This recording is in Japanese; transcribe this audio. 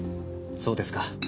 そうですか。